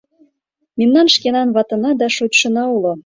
Мемнан шкенан ватына да шочшына уло.